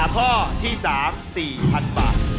ข้อที่๓๔๐๐๐บาท